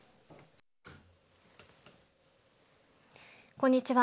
こんにちは。